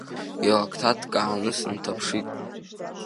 Илакҭа ҭкааны сынҭаԥшит.